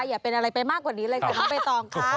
อย่าเป็นอะไรไปมากกว่านี้เลยค่ะน้องใบตองค่ะ